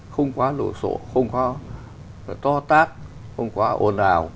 không quá lộ sổ không khó to tát không quá ồn ào